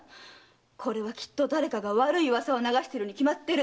これはきっと誰かが悪い噂を流してるに決まってる！